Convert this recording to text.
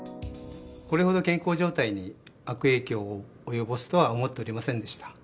これほど健康状態に悪影響を及ぼすとは思っておりませんでした。